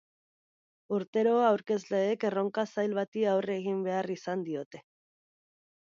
Urtero, aurkezleek erronka zail bati aurre egin behar izaten diote.